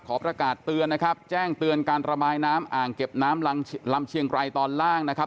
ประกาศเตือนนะครับแจ้งเตือนการระบายน้ำอ่างเก็บน้ำลำเชียงไกรตอนล่างนะครับ